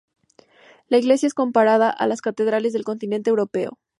La iglesia es comparada a las catedrales del continente europeo.